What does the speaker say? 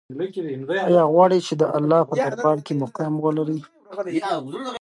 آیا غواړې چې د الله په دربار کې مقام ولرې؟